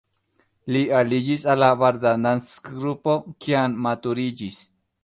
Li aliĝis al la Vardanantz-grupo kiam maturiĝis.